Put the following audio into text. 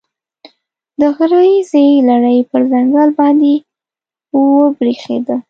د غره ییزې لړۍ پر ځنګل باندې وبرېښېده.